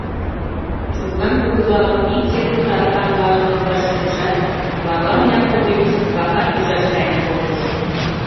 Чужган кугызалан ик черпыт аракам налын кондаш шӱдышат, Варлам Яковлевич «вакат» ӱжаш каен колтыш.